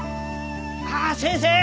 あっ先生